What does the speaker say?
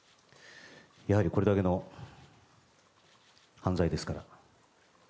やはりこれだけの犯罪ですから。